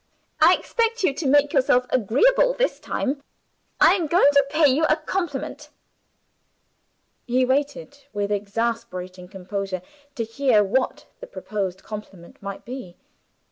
"I expect you to make yourself agreeable this time I am going to pay you a compliment." He waited, with exasperating composure, to hear what the proposed compliment might be.